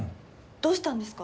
どうしたんですか？